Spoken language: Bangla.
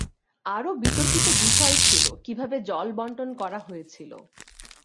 আরো বিতর্কিত বিষয় ছিল, কিভাবে জল-বণ্টন করা হয়েছিল।